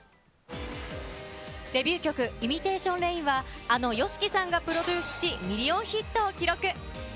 デビュー曲、ＩｍｉｔａｔｉｏｎＲａｉｎは、ＹＯＳＨＩＫＩさんがプロデュースし、ミリオンヒットを記録。